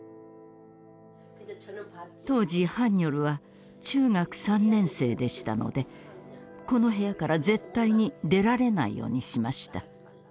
当時ハンニョルは中学３年生でしたのでこの部屋から絶対に出られないようにしました。